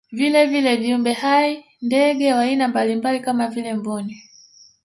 Vilevile viumbe hai ndege wa aina mbalimbali kama vile mbuni